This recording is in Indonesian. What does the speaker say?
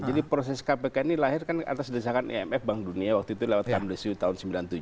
jadi proses kpk ini lahir kan atas desakan imf bank dunia waktu itu lewat kamresiu tahun sembilan puluh tujuh